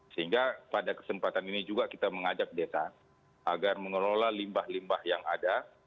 sehingga pada kesempatan ini juga kita mengajak desa agar mengelola limbah limbah yang ada